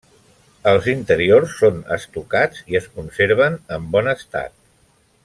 Els interiors són estucats i es conserven en bon estat.